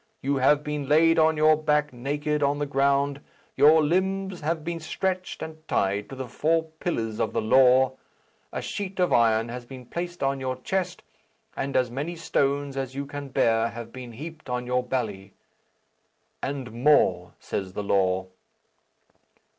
You have been laid on your back naked on the ground, your limbs have been stretched and tied to the four pillars of the law; a sheet of iron has been placed on your chest, and as many stones as you can bear have been heaped on your belly, 'and more,' says the law."